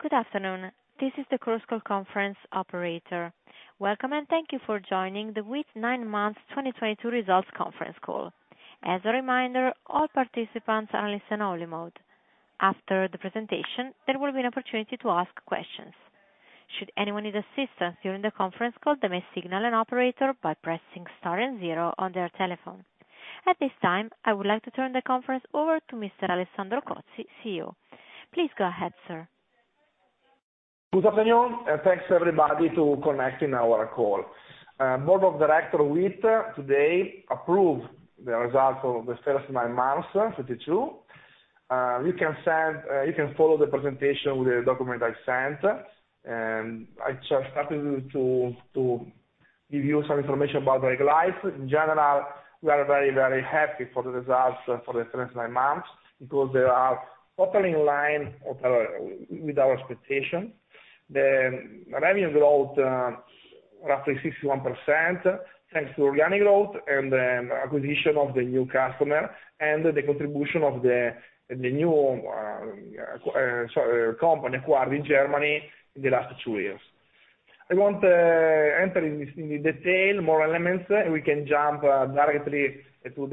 Good afternoon. This is the Chorus Call conference operator. Welcome, and thank you for joining the WIIT nine months 2022 results conference call. As a reminder, all participants are in listen only mode. After the presentation, there will be an opportunity to ask questions. Should anyone need assistance during the conference call, they may signal an operator by pressing Star and zero on their telephone. At this time, I would like to turn the conference over to Mr. Alessandro Cozzi, CEO. Please go ahead, sir. Good afternoon, thanks everybody for joining our call. Board of Directors of WIIT today approved the results for the first nine months of 2022. You can follow the presentation with the document I sent. I'm happy to give you some information about the highlights. In general, we are very happy with the results for the first nine months because they are totally in line with our expectations. The revenue growth roughly 61%, thanks to organic growth and acquisitions of new customers and the contribution of the new companies acquired in Germany in the last two years. I want to enter into this in more detail with more elements. We can jump directly to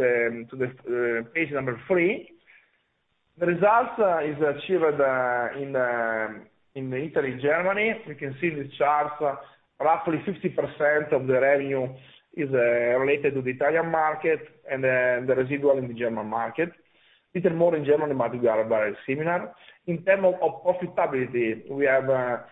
Page 3. The results is achieved in Italy and Germany. We can see in the charts roughly 50% of the revenue is related to the Italian market and the residual in the German market. A little more in Germany, but we are very similar. In terms of profitability, we have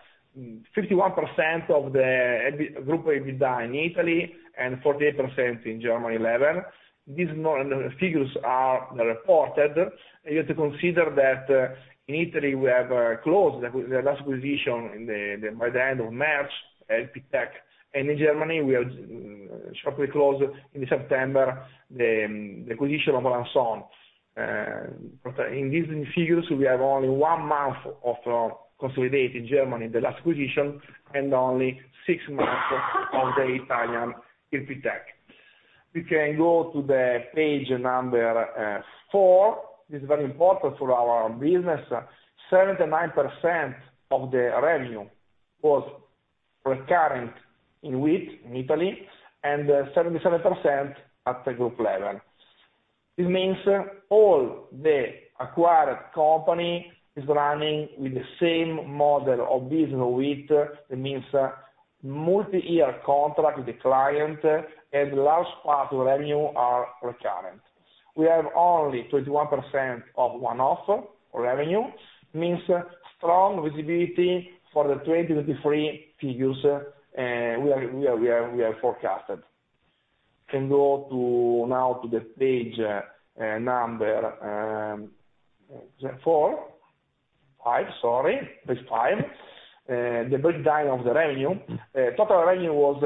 51% of the group EBITDA in Italy and 48% in Germany level. These more figures are reported. You have to consider that in Italy we have closed the last acquisition in the by the end of March at ERPTech. In Germany, we are shortly closing in September the acquisition of LANSOL. For in these figures, we have only 1 month of consolidated Germany, the last acquisition, and only six months of the Italian ERPTech. We can go to the page number four. This is very important for our business. 79% of the revenue was recurrent in WIIT in Italy, and 77% at the group level. This means all the acquired company is running with the same model of business WIIT. That means multiyear contract with the client and large part of revenue are recurrent. We have only 21% of one-off revenue, means strong visibility for the 2023 figures, we are forecasted. Can go now to the page Number 5, sorry. Page 5. The breakdown of the revenue. Total revenue was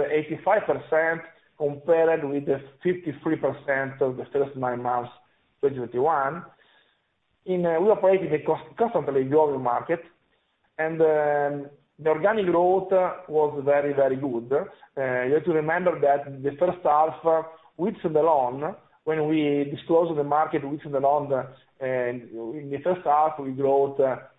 85% compared with the 53% of the first nine months, 2021. We operate in a constantly growing market. The organic growth was very good. You have to remember that the first half, WIIT and the LANSOL, When we disclosed to the market, WIIT and the LANSOL, in the first half, we grew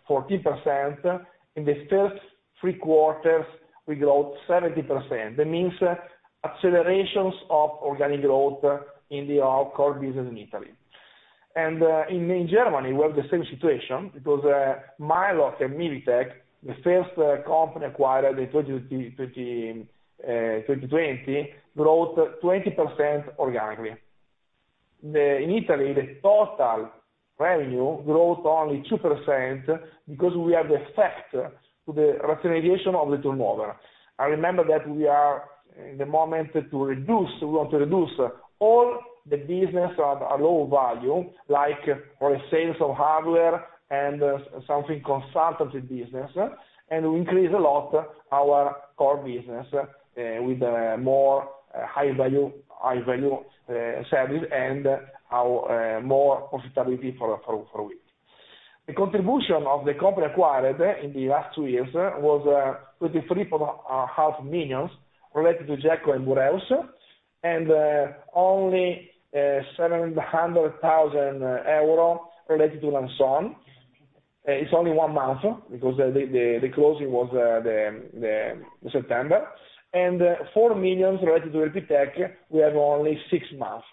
14%. In the first three quarters, we grew 70%. That means accelerations of organic growth in our core business in Italy. In Germany, we have the same situation because myLoc, the first company acquired in 2020, grew 20% organically. In Italy, the total revenue grew only 2% because we have the effect of the rationalization of the turnover. I remember that we are in the moment to reduce. We want to reduce all the business of low value, like sales of hardware and some consultancy business, and we increase a lot our core business with more high value service and more profitability for WIIT. The contribution of the companies acquired in the last two years was 23.5 million EUR related to GECKO and Boreus, and only 700,000 euro related to LANSOL. It's only one month because the closing was in September. Four million EUR related to ERPTech, we have only six months.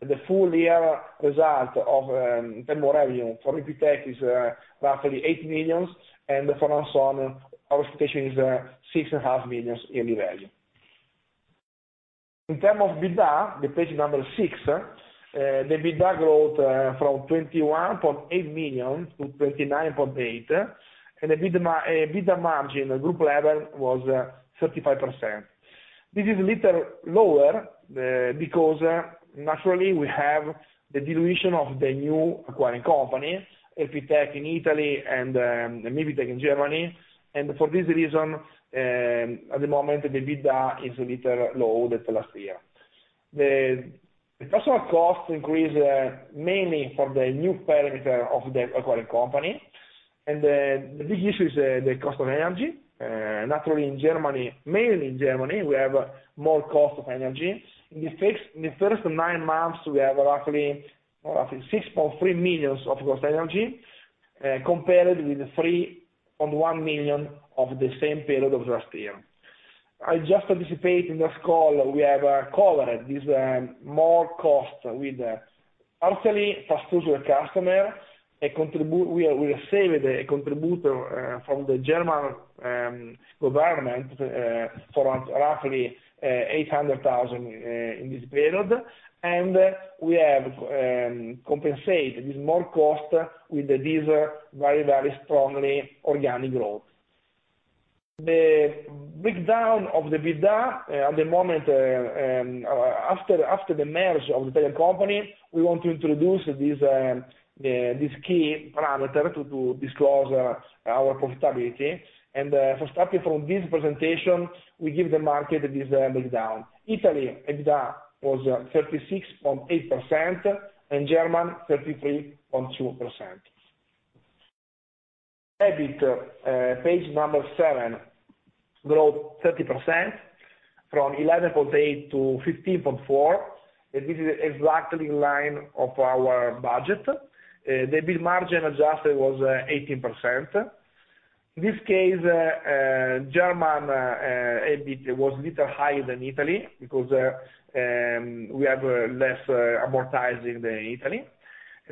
The full year result in more revenue for ERPTech is roughly 8 million. For LANSOL, our expectation is 6.5 million EUR yearly value. In terms of EBITDA, page Number 6, the EBITDA growth from 21.8 million-29.8 million. EBITDA margin at group level was 35%. This is a little lower because naturally we have the dilution of the new acquired company, ERPTech in Italy and myLoc in Germany. For this reason, at the moment, the EBITDA is a little lower than last year. The personnel costs increased mainly from the new personnel of the acquired company. The big issue is the cost of energy. Naturally, in Germany, mainly in Germany, we have more cost of energy. In the first nine months, we have roughly 6.3 million of energy costs, compared with the 3.1 million of the same period of last year. I just anticipate in this call we have covered this more cost with actually pass-through to customer, a contribution we saved a contribution from the German government for roughly 800,000 in this period. We have compensated more cost with this very strongly organic growth. The breakdown of the EBITDA at the moment, after the merge of the parent company, we want to introduce this key parameter to disclose our profitability. Starting from this presentation, we give the market this breakdown. Italy EBITDA was 36.8%, and German 33.2%. EBIT, Page 7, grow 30% from 11.8 million-15.4 million. This is exactly in line of our budget. The EBIT margin adjusted was 18%. In this case, German EBIT was little higher than Italy because we have less amortization than Italy.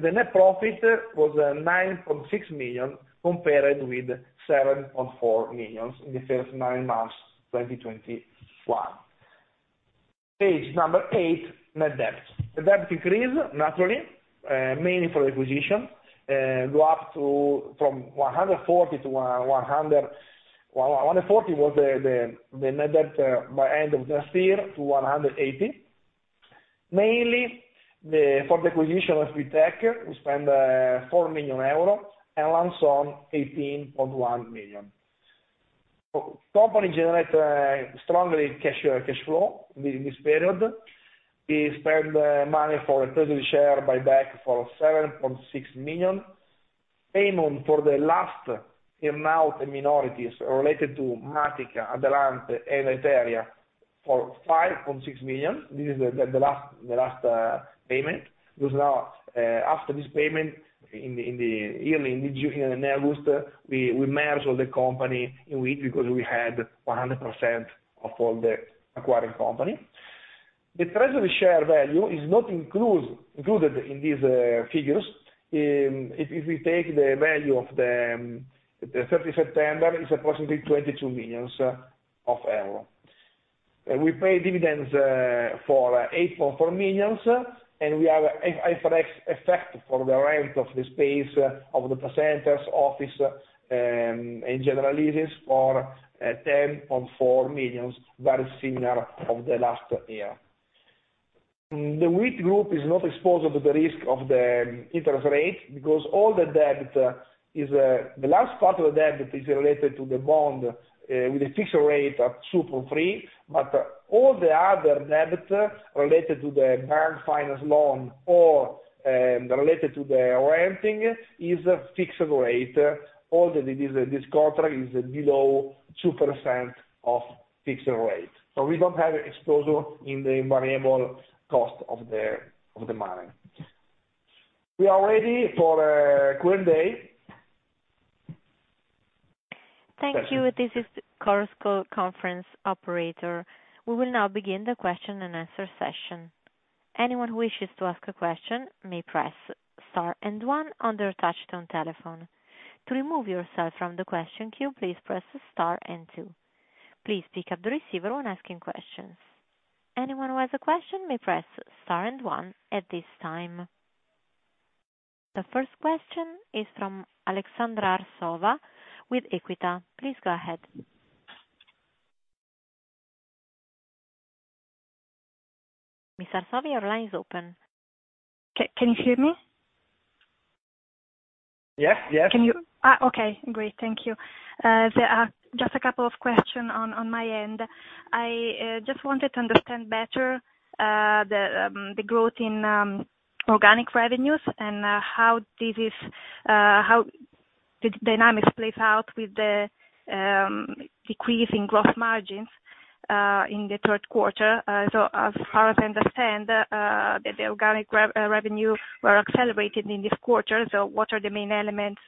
The net profit was 9.6 million compared with 7.4 million in the first nine months, 2021. Page Number 8, net debt. The debt increased naturally mainly for acquisition go up from 140 million-180 million by end of this year. Mainly, for the acquisition of ERPTech, we spent 4 million euro and loans of 18.1 million. Company generated strong cash flow during this period. We spent money for a treasury share buyback for 7.6 million. Payment for the last earnout minorities related to Matika, Adelante, and Etaeria for 5.6 million. This is the last payment. Because now, after this payment in the year ending June and August, we merged all the company in which because we had 100% of all the acquiring company. The treasury share value is not included in these figures. If we take the value of the 30 September, it's approximately 22 million euro. We pay dividends for 8.4 million, and we have IFRS effect for the rent of the space of the data centers, office, and general leases for 10.4 million, very similar to the last year. The WIIT Group is not exposed to the risk of the interest rate because all the debt is the last part of the debt is related to the bond with a fixed rate of 2.3%. All the other debt related to the bank finance loan or related to the renting is a fixed rate. This contract is below 2% fixed rate. We don't have exposure in the variable cost of the money. We are ready for current day. Thank you. This is Chorus Call conference operator. We will now begin the question-and-answer session. Anyone who wishes to ask a question may press Star and One on their touch-tone telephone. To remove yourself from the question queue, please press Star and Two. Please pick up the receiver when asking questions. Anyone who has a question may press Star and One at this time. The first question is from Aleksandra Arsova with Equita. Please go ahead. Ms. Arsova, your line is open. Can you hear me? Yes. Yes. Okay, great. Thank you. There are just a couple of question on my end. I just wanted to understand better the growth in organic revenues and how this is, how the dynamics plays out with the decrease in gross margins in the third quarter. So as far as I understand, the organic revenue were accelerated in this quarter. So what are the main elements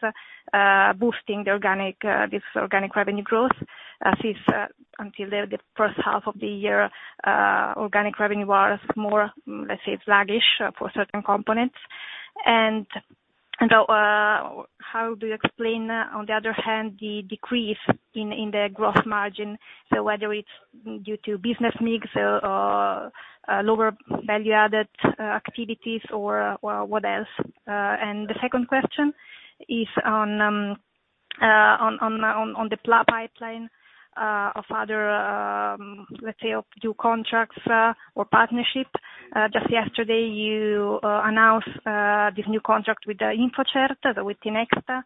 boosting the organic this organic revenue growth since until the first half of the year organic revenue was more, let's say, sluggish for certain components? And how do you explain, on the other hand, the decrease in the gross margin, so whether it's due to business mix or lower value-added activities or what else? The second question is on the pipeline of other, let's say, of new contracts or partnership. Just yesterday you announced this new contract with InfoCert with Tinexta.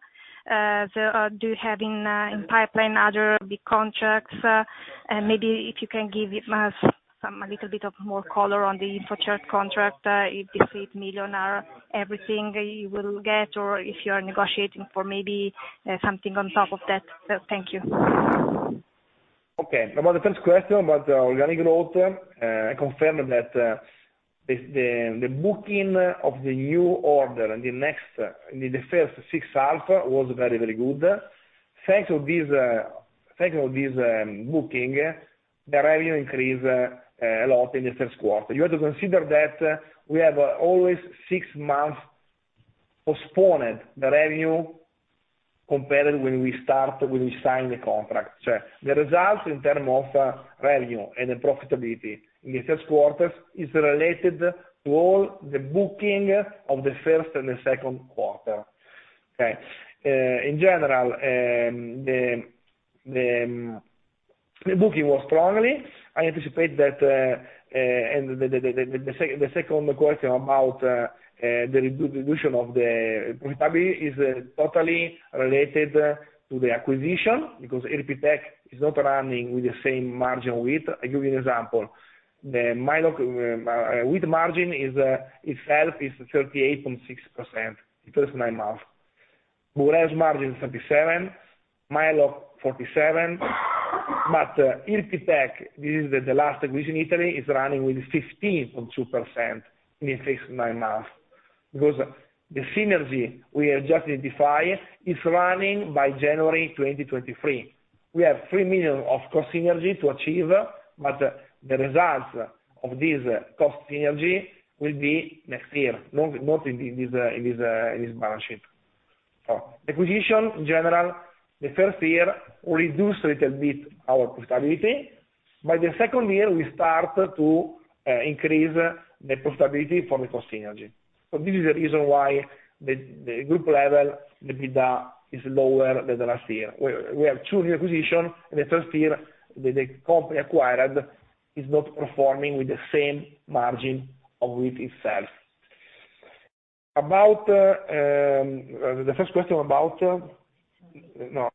Do you have in pipeline other big contracts? And maybe if you can give us some, a little bit of more color on the InfoCert contract, if this 8 million are everything you will get or if you are negotiating for maybe something on top of that. Thank you. Okay. About the first question about the organic growth, I confirm that the booking of the new order in the first half was very, very good. Thanks to this booking, the revenue increase a lot in the first quarter. You have to consider that we have always six months postponed the revenue compared when we start, when we sign the contract. The results in terms of revenue and the profitability in the first quarters is related to all the booking of the first and the second quarter. Okay. In general, the booking was strong. I anticipate that the second question about the reduction of the profitability is totally related to the acquisition, because ERPTech is not running with the same margins. I give you an example. The myLoc recurring margin is itself 38.6%, the first nine months. Matika margin is 77%, myLoc 47%. But ERPTech, this is the last acquisition in Italy, is running with 15.2% in the first nine months. Because the synergy we have just defined is running by January 2023. We have 3 million of cost synergy to achieve, but the results of this cost synergy will be next year, not in this balance sheet. Acquisitions, in general, the first year reduce a little bit our profitability. By the second year, we start to increase the profitability for the cost synergy. This is the reason why the group level EBITDA is lower than last year. We have 2 new acquisition in the first year that the company acquired is not performing with the same margin of WIIT itself. About the first question about no-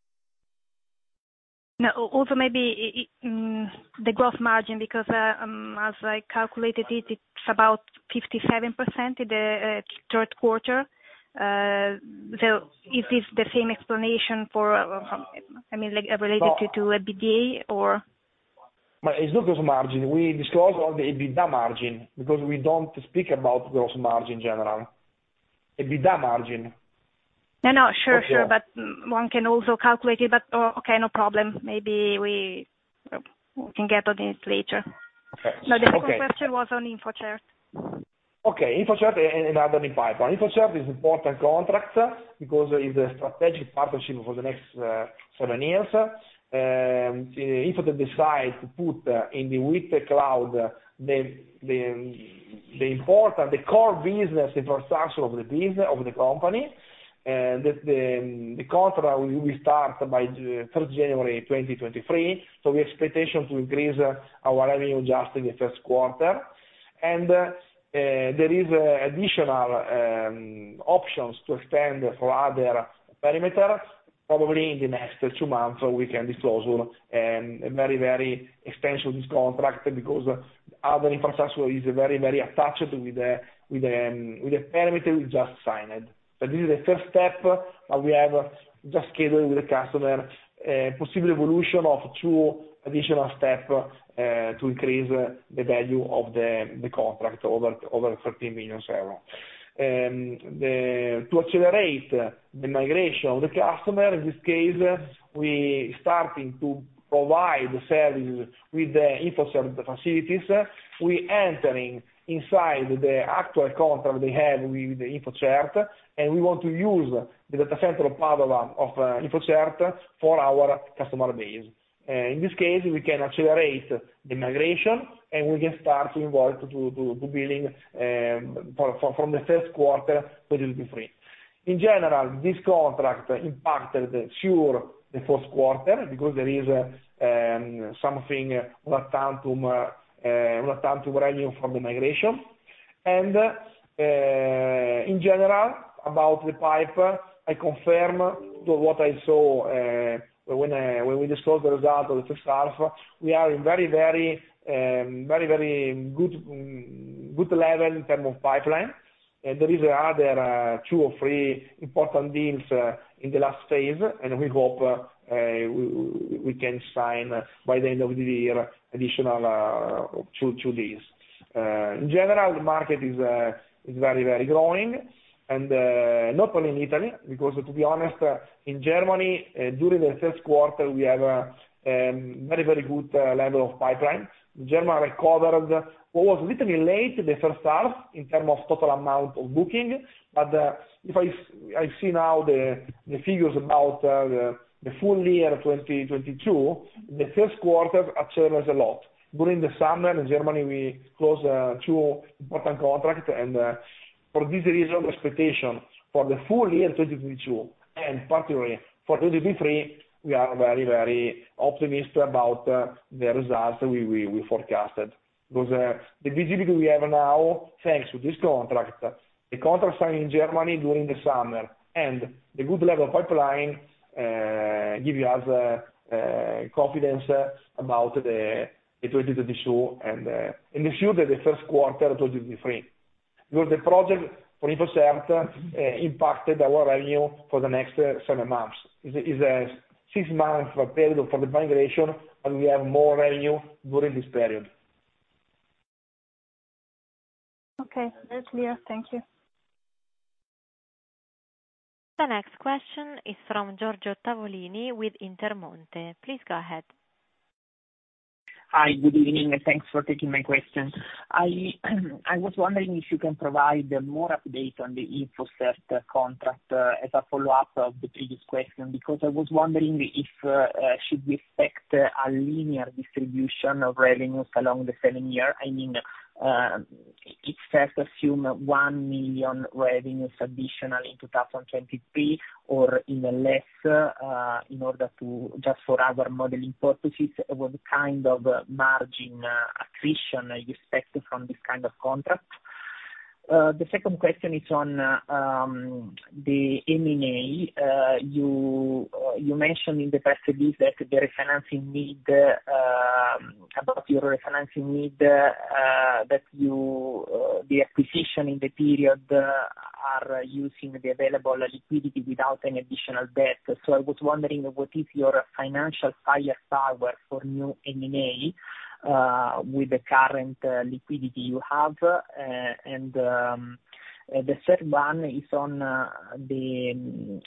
No, also maybe the gross margin, because as I calculated it's about 57% in the third quarter. Is this the same explanation for, I mean, like, related to EBITDA or? It's not gross margin. We disclose only the EBITDA margin, because we don't speak about gross margin in general. EBITDA margin. No, sure. Okay. One can also calculate it, but, okay, no problem. Maybe we can get on it later. Okay. No, the second question was on InfoCert. Okay, InfoCert and other pipeline. InfoCert is important contract, because it's a strategic partnership for the next seven years. InfoCert decide to put in the WIIT cloud the important core business infrastructure of the business of the company. The contract we start by first January 2023. We expectation to increase our revenue just in the first quarter. There is additional options to extend for other perimeters, probably in the next two months, or we can disclosure a very extensive contract because other infrastructure is very attached with the perimeter we just signed. This is the first step, we have just scheduled with the customer possible evolution of two additional step to increase the value of the contract over 13 million euro. To accelerate the migration of the customer, in this case, we starting to provide the services with the InfoCert facilities. We entering inside the actual contract they have with the InfoCert, and we want to use the data center of Padova of InfoCert for our customer base. In this case, we can accelerate the migration, and we can start to involve to billing for from the first quarter 2023. In general, this contract impacted sure the fourth quarter because there is something with one-time revenue from the migration. In general, about the pipeline, I confirm what I saw when we disclosed the result of the first half. We are in very good level in terms of pipeline. There is other two or three important deals in the last phase, and we hope we can sign by the end of the year additional two deals. In general, the market is very growing and not only in Italy, because to be honest, in Germany during the first quarter, we have very good level of pipeline. Germany recovered what was a little bit late in the first half in terms of total amount of booking. I see now the figures about the full-year 2022. The first quarter achieves a lot. During the summer in Germany, we closed two important contract and for this reason, the expectation for the full-year 2022, and particularly for 2023, we are very optimistic about the results we forecasted. The visibility we have now, thanks to this contract, the contract signed in Germany during the summer and the good level of pipeline give us confidence about the 2022 and we're sure that the first quarter 2023. The project for InfoCert impacted our revenue for the next seven months. It's a six-month period for the migration, and we have more revenue during this period. Okay. That's clear. Thank you. The next question is from Giorgio Tavolini with Intermonte. Please go ahead. Hi. Good evening, and thanks for taking my question. I was wondering if you can provide more update on the InfoCert contract as a follow-up of the previous question, because I was wondering if should we expect a linear distribution of revenues along the seven year? I mean, it says assume 1 million revenues additional in 2023, or even less, in order to just for our modeling purposes, what kind of margin accretion are you expecting from this kind of contract? The second question is on the M&A. You mentioned in the past release that the refinancing need about your refinancing need that you the acquisition in the period are using the available liquidity without any additional debt. I was wondering what is your financial firepower for new M&A, with the current liquidity you have? The third one is on the,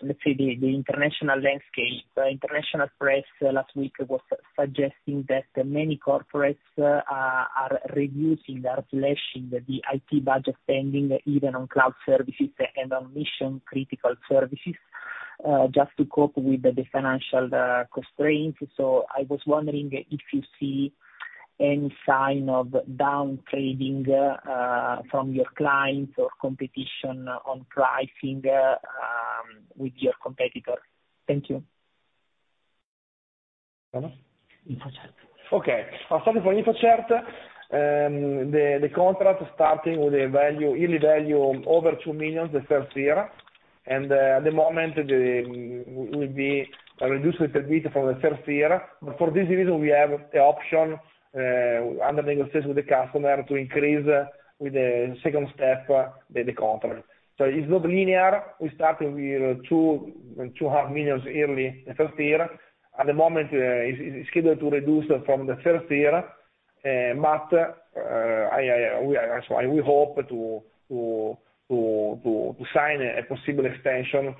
let's say, international landscape. International press last week was suggesting that many corporates are reducing, are slashing the IT budget spending, even on cloud services and on mission-critical services, just to cope with the financial constraints. I was wondering if you see any sign of downtrading from your clients or competition on pricing with your competitors. Thank you. Pardon? Infocert. Okay. Starting from InfoCert, the contract starting with a value, yearly value over 2 million the first year. At the moment we'll be reducing a bit from the first year. For this reason, we have the option under negotiation with the customer to increase with the second step the contract. It's not linear. We're starting with 2.5 million yearly the first year. At the moment it's scheduled to reduce from the first year. We hope to sign a possible extension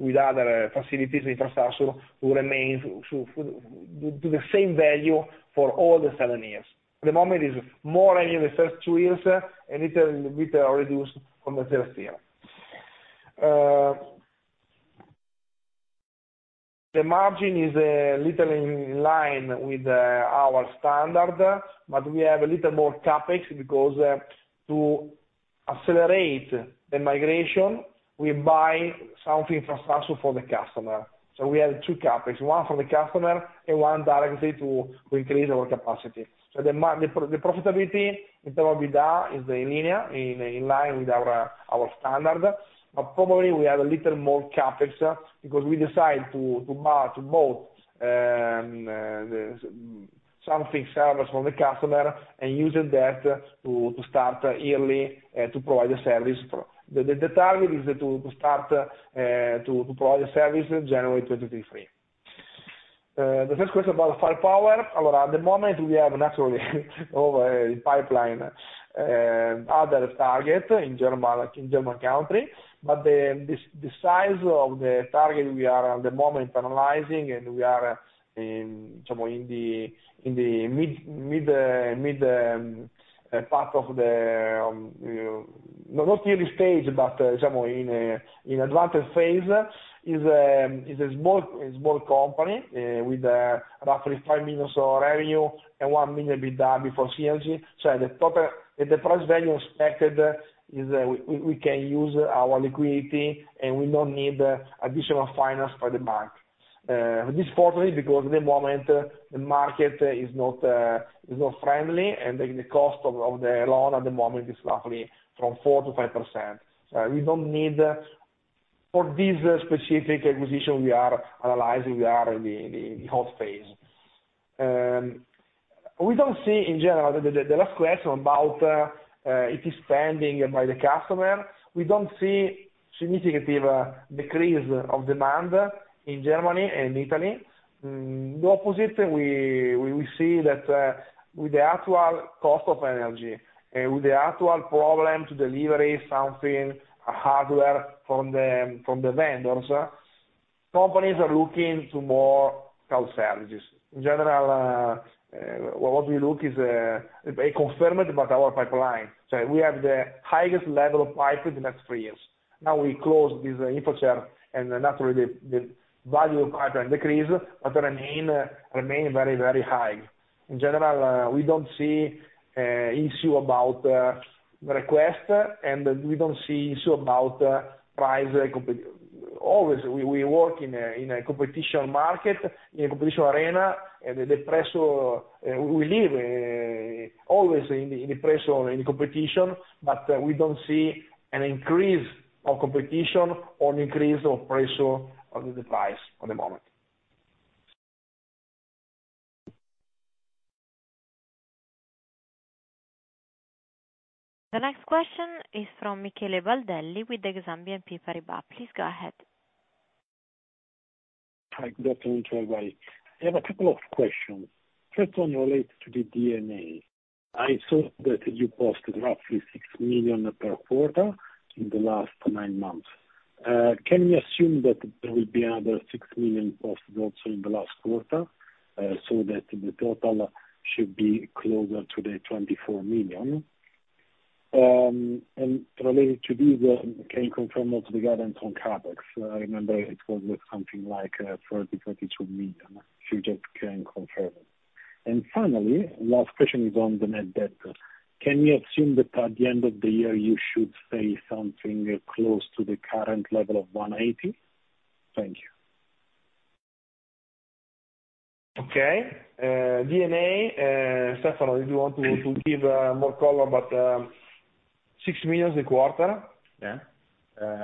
with other facilities, infrastructure, to remain to the same value for all the 7 years. At the moment it's more only the first 2 years, and it will be reduced from the third year. The margin is a little in line with our standard, but we have a little more CapEx because, to accelerate the migration, we buy some infrastructure for the customer. We have two CapEx, one for the customer and one directly to increase our capacity. The profitability in terms of EBITDA is in line with our standard. Probably we have a little more CapEx because we decide to buy, to both some free servers from the customer and using that to start early to provide the service. The target is to start to provide the service January 2023. The first question about firepower. At the moment we have naturally in the pipeline other targets in Germany, but the size of the target we are at the moment analyzing and some in the mid part, not early stage, but some more in advanced phase, is a small company with roughly EUR 5 million of revenue and EUR 1 million EBITDA before CLG. So the total price value expected, we can use our liquidity, and we don't need additional financing from the bank. This fortunately, because at the moment the market is not friendly, and the cost of the loan at the moment is roughly 4%-5%. We don't need For this specific acquisition we are analyzing, we are in the hot phase. We don't see in general. The last question about IT spending by the customer. We don't see significant decrease of demand in Germany and Italy. The opposite, we will see that with the actual cost of energy and with the actual problem to deliver something, a hardware from the vendors, companies are looking to more cloud services. In general, what we look is a confirmation about our pipeline. We have the highest level of pipeline in the next three years. Now we close this InfoCert, and then that really, the value of pipeline decrease, but remain very, very high. In general, we don't see an issue about requests, and we don't see an issue about price competition. Always, we work in a competitive market, in a competitive arena, and the pressure we live always in the pressure and competition, but we don't see an increase of competition or an increase of pressure on the price at the moment. The next question is from Michele Baldelli with Exane BNP Paribas. Please go ahead. Hi, good afternoon to everybody. I have a couple of questions. First one relates to the D&A. I saw that you posted roughly 6 million per quarter in the last nine months. Can we assume that there will be another 6 million posted also in the last quarter, so that the total should be closer to the 24 million? Related to this, can you confirm also the guidance on CapEx? I remember it was something like 30 million-32 million. If you just can confirm. Finally, last question is on the net debt. Can we assume that at the end of the year you should stay something close to the current level of 180 million? Thank you. Okay. D&A, Stefano, did you want to give more color about 6 million a quarter? Yeah.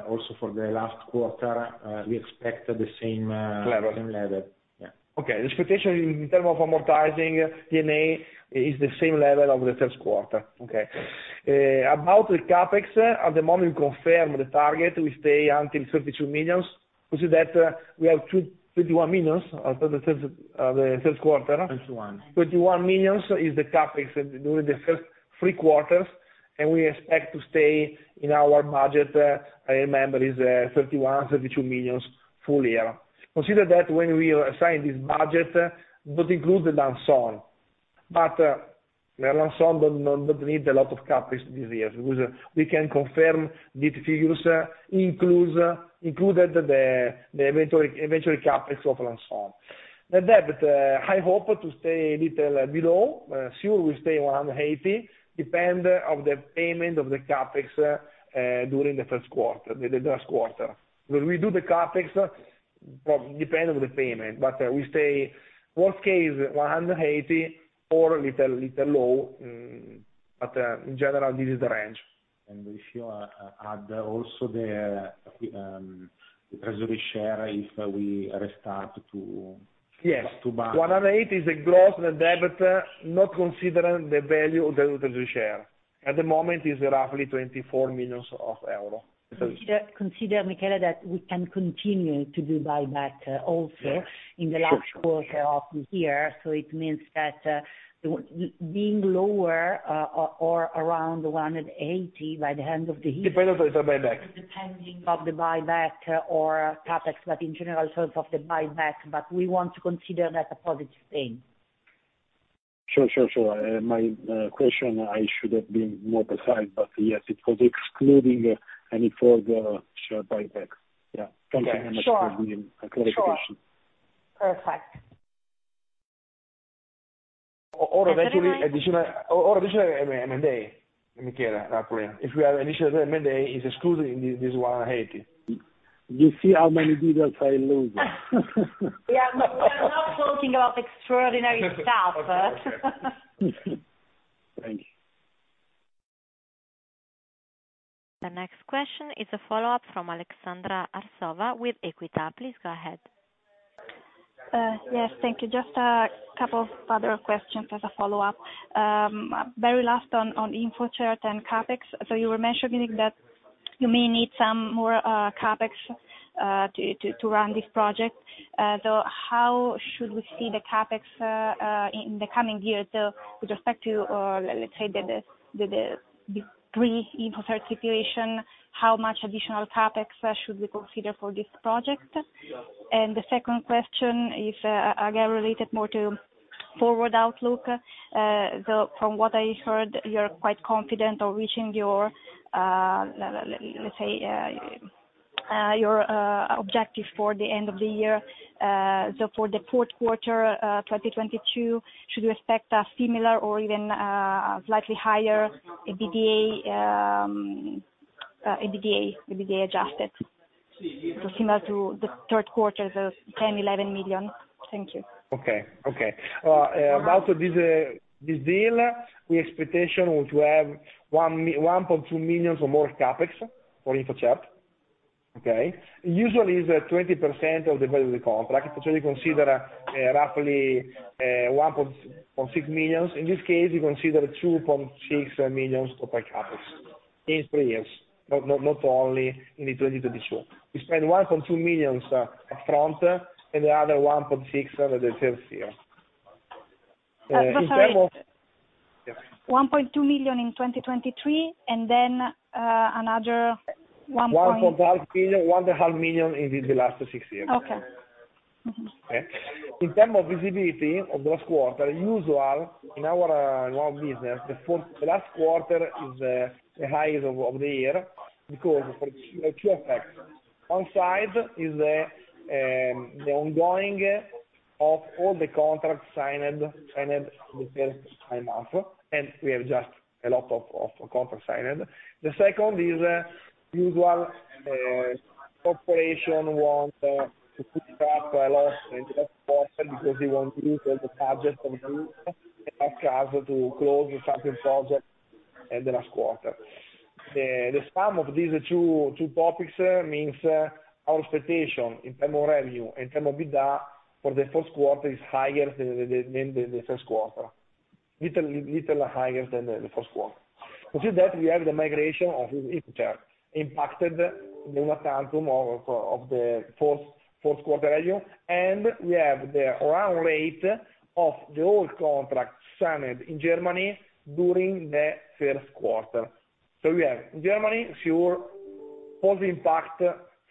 Also for the last quarter, we expect the same. Level same level. Yeah. Okay. The expectation in terms of amortizing D&A is the same level as the first quarter. Okay. About the CapEx, at the moment we confirm the target, we stay until 32 million. Consider that we have 21 million after the first quarter. 21 million. 21 million is the CapEx during the first three quarters, and we expect to stay in our budget. I remember it is 31 million-32 million full-year. Consider that when we assign this budget, that includes the LANSOL. LANSOL don't need a lot of CapEx this year because we can confirm these figures includes included the inventory CapEx of LANSOL. The debt, I hope to stay a little below. Sure we stay 180, depend on the payment of the CapEx during the first quarter, the last quarter. When we do the CapEx, depend on the payment. We stay worst case 180 or a little low, but in general, this is the range. If you add also the treasury share if we restart to Yes to buy. 180 is the gross debt, not considering the value of the treasury shares. At the moment is roughly 24 million euros. Consider, Michele, that we can continue to do buyback, also. Yeah. in the last quarter of the year. It means that being lower or around 180 by the end of the year. Depend on buyback. Depending on the buyback or CapEx, but in general terms of the buyback, but we want to consider that a positive thing. Sure. My question, I should have been more precise, but yes, it was excluding any further share buyback. Yeah. Thank you very much for the clarification. Sure. Perfect. Additional M&A, Michele, roughly. If we have additional M&A, it's excluding this 180. You see how many details I lose? Yeah, we are not talking of extraordinary stuff. Thank you. The next question is a follow-up from Aleksandra Arsova with Equita. Please go ahead. Yes. Thank you. Just a couple of other questions as a follow-up. Very last on InfoCert and CapEx. You were mentioning that you may need some more CapEx to run this project. How should we see the CapEx in the coming years with respect to let's say the pre-InfoCert situation, how much additional CapEx should we consider for this project? The second question is again related more to forward outlook. From what I heard, you're quite confident of reaching your let's say your objective for the end of the year. For the fourth quarter 2022, should we expect a similar or even a slightly higher EBITDA adjusted? Similar to the third quarter, 10 million-11 million. Thank you. Okay. About this deal, we expect to have 1.2 million or more CapEx for InfoCert. Usually is 20% of the value of the contract. You consider roughly 1.6 million. In this case, you consider 2.6 million of CapEx in three years, not only in 2022. We spend 1.2 million up front and another 1.6 million over the third year. In terms of Sorry. Yeah. 1.2 million in 2023, and then another 1 point- 1.5 million, 0.5 million in the last six years. Okay. Mm-hmm. Okay? In terms of visibility of last quarter, as usual in our business, the last quarter is the highest of the year because of two effects. One side is the ongoing of all the contracts signed in the first nine months, and we have just a lot of contracts signed. The second is usual, corporations want to push up a lot in the last quarter because they want to use all the budget of the group and ask us to close certain projects in the last quarter. The sum of these two topics means our expectation in terms of revenue, in terms of EBITDA for the fourth quarter is higher than the first quarter. A little higher than the first quarter. To see that we have the migration of Impacted the end of the fourth quarter value, and we have the run rate of the old contract signed in Germany during the first quarter. We have Germany's sure positive impact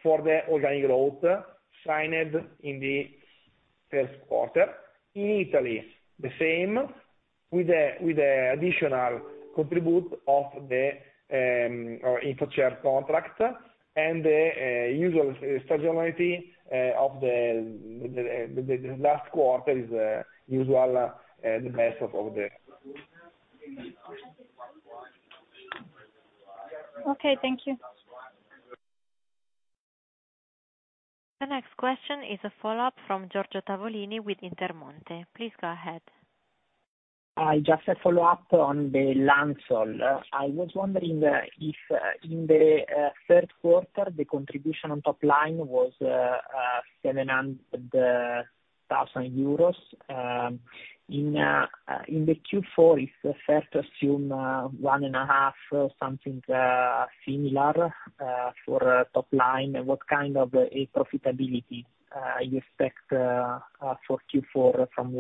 for the organic growth signed in the first quarter. In Italy is the same with the additional contribution of the InfoCert contract and the usual stability of the last quarter is usually the best of the. Okay, thank you. The next question is a follow-up from Giorgio Tavolini with Intermonte. Please go ahead. Just a follow-up on the LANSOL. I was wondering if in the third quarter the contribution on top line was 700 thousand euros. In Q4, is it fair to assume 1.5 million or something similar for top line? What kind of a profitability you expect for Q4 from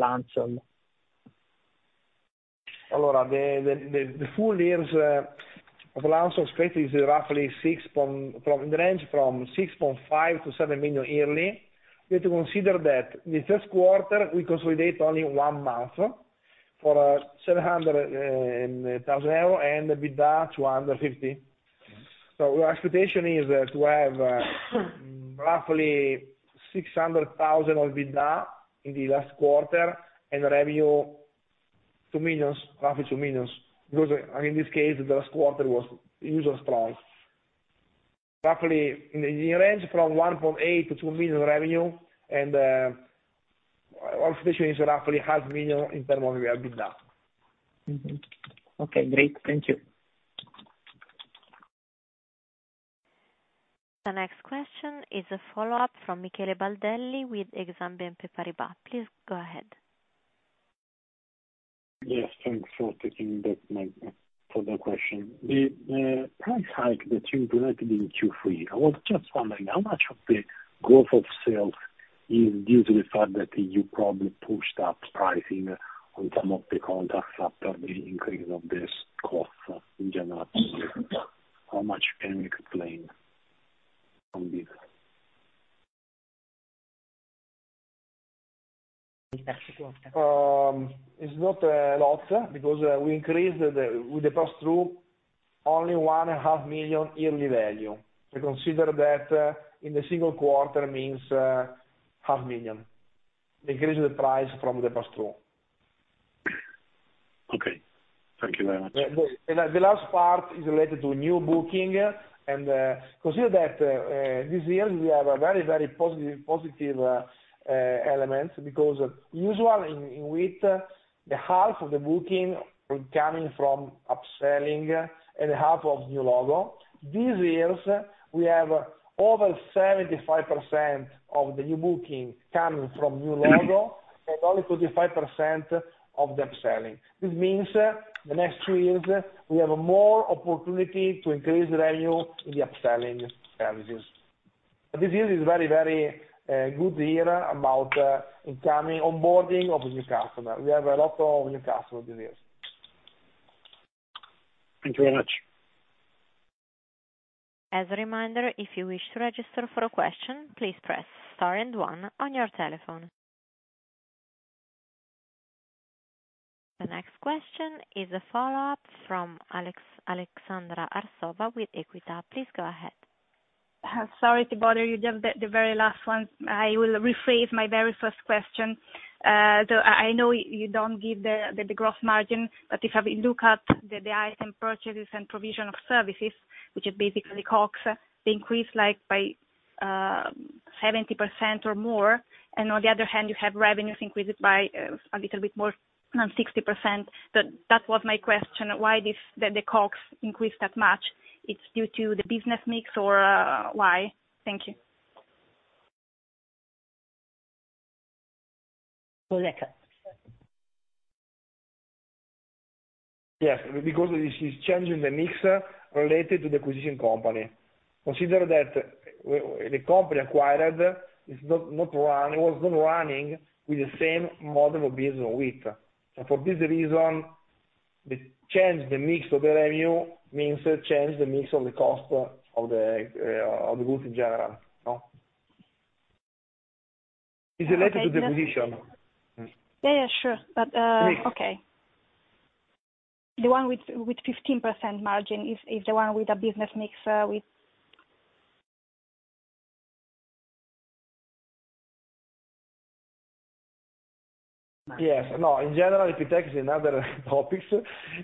LANSOL? The full-year's of LANSOL's EBIT is roughly six point. From the range from 6.5 million-7 million yearly. We have to consider that the first quarter we consolidate only one month for 700,000 euros and EBITDA 250 thousand. Our expectation is to have roughly 600,000 of EBITDA in the last quarter and revenue 2 million. Because in this case, the last quarter was usually strong. Roughly in the range from 1.8 million-2 million revenue and our expectation is roughly half million in terms of EBITDA. Okay, great. Thank you. The next question is a follow-up from Michele Baldelli with Exane BNP Paribas. Please go ahead. Yes, thanks for taking that my further question. The price hike that you implemented in Q3, I was just wondering how much of the growth of sales is due to the fact that you probably pushed up pricing on some of the contracts after the increase of this cost in general? How much can you explain from this? It's not a lot because we increased the with the pass-through only 0.5 million yearly value. Consider that in the single quarter means 0.5 million increase the price from the pass-through. Okay. Thank you very much. The last part is related to new booking and consider that this year we have a very positive element because usually in WIIT, the half of the booking coming from upselling and half of new logo. This year, we have over 75% of the new booking coming from new logo and only 25% of the upselling, which means the next two years we have more opportunity to increase value in the upselling services. This year is very good year about incoming onboarding of new customer. We have a lot of new customer this year. Thank you very much. As a reminder, if you wish to register for a question, please press Star and one on your telephone. The next question is a follow-up from Aleksandra Arsova with Equita. Please go ahead. Sorry to bother you. Just the very last one. I will rephrase my very first question. So I know you don't give the gross margin, but if you look at the item purchases and provision of services, which is basically COGS, they increased like by 70% or more. On the other hand you have revenues increased by a little bit more than 60%. That was my question, why this did the COGS increased that much? It's due to the business mix or why? Thank you. Yes, because this is changing the mix related to the acquired company. Consider that the company acquired is not run, was not running with the same model of business with WIIT. For this reason, the change the mix of the revenue means change the mix of the cost of the group in general. No? It's related to the acquisition. Yeah, yeah, sure. Please. Okay. The one with 15% margin is the one with a business mix, with... Yes. No. In general, ERPTech is another topic.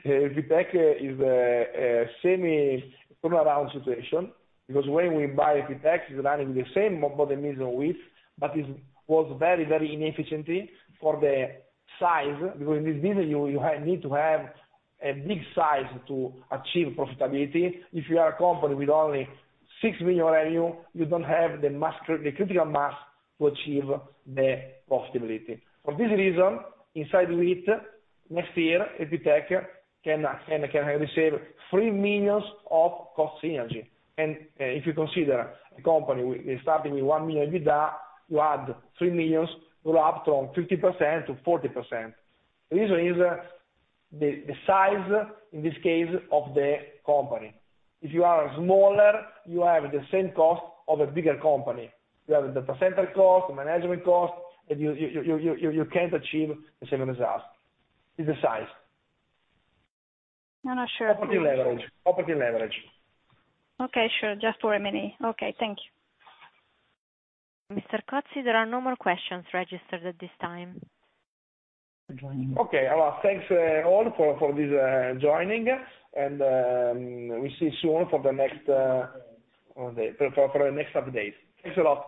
ERPTech is a semi-turnaround situation because when we buy ERPTech it was running the same business model, but it was very, very inefficiently for the size, because in this business you need to have a big size to achieve profitability. If you are a company with only 6 million revenue, you don't have the mass, the critical mass to achieve profitability. For this reason, inside WIIT, next year, ERPTech can receive 3 million of cost synergy. If you consider a company with starting with 1 million EBITDA, you add 3 million, go up from 50% to 40%. The reason is the size in this case of the company. If you are smaller, you have the same cost of a bigger company. You have the percentage cost, the management cost, and you can't achieve the same result. It's the size. No, no, sure. Opportunity leverage. Okay, sure. Just for a minute. Okay, thank you. Mr. Cozzi, there are no more questions registered at this time. Okay. Thanks all for joining and we see you soon for the next update. Thanks a lot.